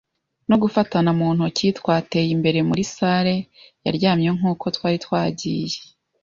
no gufatana mu ntoki, twateye imbere muri salle. Yaryamye nk'uko twari twagiye